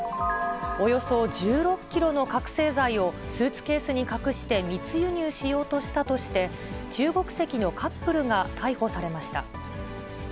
およそ１６キロの覚醒剤をスーツケースに隠して密輸入しようとしたとして、中国籍のカップルが逮捕されました。